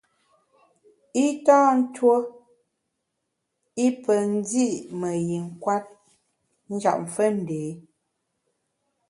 I tâ tuo i pe ndi’ me yin kwet njap fe ndé.